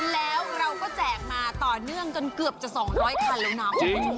แล้วเราก็แจกมาต่อเนื่องจนเกือบจะ๒๐๐คันแล้วนะคุณผู้ชม